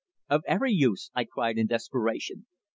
"Of every use," I cried in desperation.